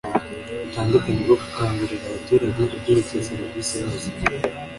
butandukanye bwo gukangurira abaturage ibyerekeye serivisi inoze